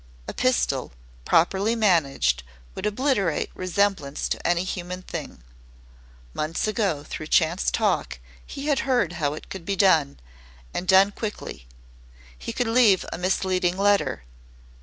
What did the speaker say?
A pistol, properly managed, would obliterate resemblance to any human thing. Months ago through chance talk he had heard how it could be done and done quickly. He could leave a misleading letter.